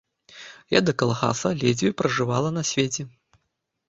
Я да калгаса ледзьве пражывала на свеце.